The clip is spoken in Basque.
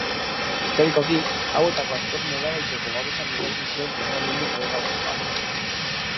Historikoki, hauetako askori nolabaiteko babesa bermatzen zion isolamendu geografikoak.